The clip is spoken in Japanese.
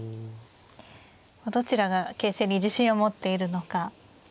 どちらが形勢に自信を持っているのか。